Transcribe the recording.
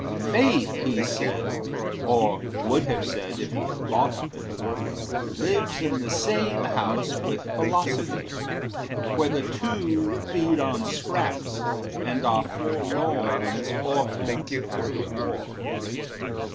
`Faith,' he said, Or would have said if he had thought of it, `Lives in the same house with Philosophy, Where the two feed on scraps and are forlorn As orphans after war.